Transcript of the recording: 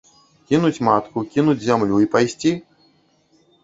Кінуць матку, кінуць зямлю і пайсці?!